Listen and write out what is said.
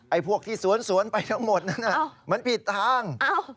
พวกที่สวนไปทั้งหมดนั้นมันผิดทาง